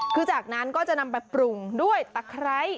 คือจากนั้นก็จะนำไปปรุงด้วยตะไคร้